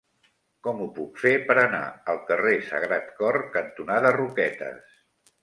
Com ho puc fer per anar al carrer Sagrat Cor cantonada Roquetes?